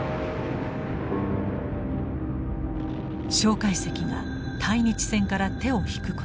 介石が対日戦から手を引くこと。